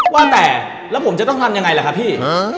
ว่าแต่แล้วผมจะต้องทำยังไงล่ะครับพี่